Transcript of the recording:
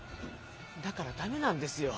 だからダメなんですよ